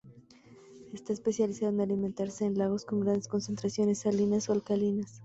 Está especializado en alimentarse en lagos con grandes concentraciones salinas o alcalinas.